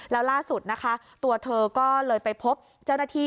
แล้วล่าสุดนะคะตัวเธอก็เลยไปพบเจ้าหน้าที่